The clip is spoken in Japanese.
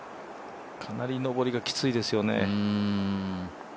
かなり上りがきついですよね。